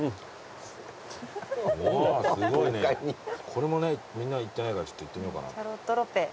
これもねみんないってないからちょっといってみようかな。